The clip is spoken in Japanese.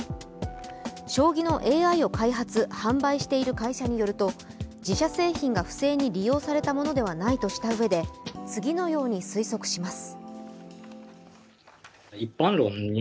将棋のＡＩを開発・販売している会社によると自社製品が不正に利用されたものではないとしたうえで次のように推測します。